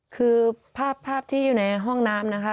คือภาพที่อยู่ในห้องน้ำนะคะ